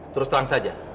terus terang saja